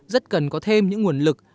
rất cần có thêm những nguồn lực